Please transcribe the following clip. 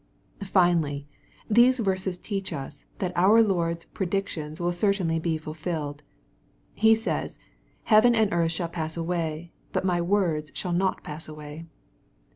Finally, these verses teach us, that our LorcPs pre^ dictions will certainly he fulfilled. He says, " heaven and earth shall pass away, but my words shall not pass away."